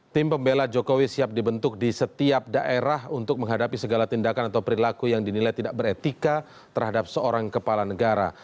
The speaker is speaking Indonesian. tim pembela jokowi siap dibentuk di setiap daerah untuk menghadapi segala tindakan atau perilaku yang dinilai tidak beretika terhadap seorang kepala negara